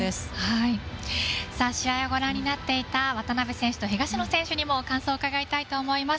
試合をご覧になっていた渡辺選手と東野選手にも感想を伺いたいと思います。